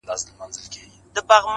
ویل یې د پوهنتون دروازې پورې راشه